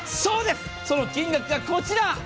その金額がこちら。